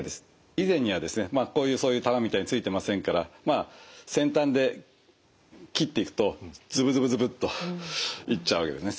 以前にはですねこういう玉みたいのついてませんからまあ先端で切っていくとズブズブズブッと行っちゃうわけですね。